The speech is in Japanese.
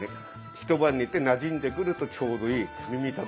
一晩寝てなじんでくるとちょうどいい耳たぶぐらいになる。